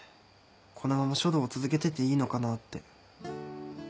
このまま書道を続けてていいのかなって。